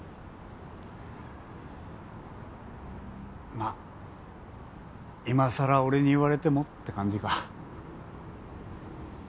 まあ今更俺に言われてもって感じか。